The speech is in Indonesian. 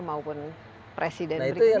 maupun presiden berikutnya